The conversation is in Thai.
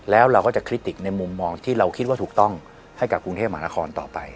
แล้วเราก็จะคลิติกในมุมมองที่เราคิดว่าถูกต้องให้กับกรุงเทพมหานครต่อไป